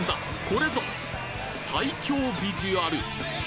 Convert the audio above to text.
これぞ最強ビジュアル！